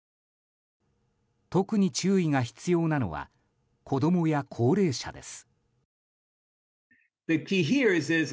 特に注意が必要なのは子供や高齢者です。